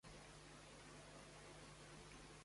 El seu cognom és Alaminos: a, ela, a, ema, i, ena, o, essa.